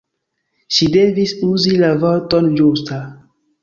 Ŝi devis uzi la vorton ĝusta.